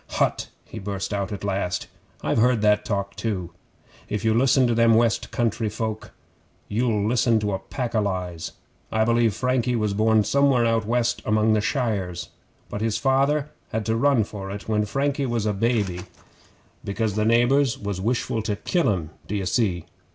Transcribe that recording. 'Hutt!' he burst out at last, 'I've heard that talk too. If you listen to them West Country folk, you'll listen to a pack o' lies. I believe Frankie was born somewhere out west among the Shires, but his father had to run for it when Frankie was a baby, because the neighbours was wishful to kill him, d'ye see?